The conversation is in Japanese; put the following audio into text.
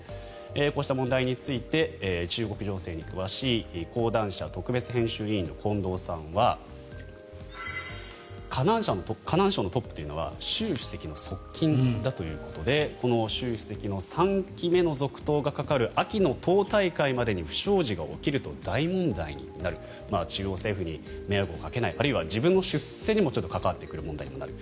こうした問題について中国情勢に詳しい講談社特別編集委員の近藤さんは河南省のトップというのは習主席の側近だということでこの習主席の３期目の続投がかかる秋の党大会までに不祥事が起きると大問題になる中央政府に迷惑をかけないあるいは自分の出世にも関わってくる問題にもなる。